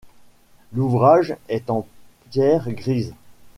L'ouvrage est en pierre grise.